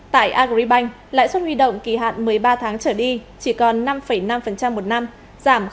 tại agribank lãi suất huy động kỳ hạn một mươi ba tháng trở đi chỉ còn năm năm một năm giảm hai